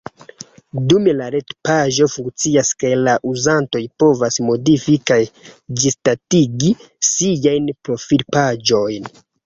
Dume la retpaĝo funkcias kaj la uzantoj povas modifi kaj ĝisdatigi siajn profilpaĝojn.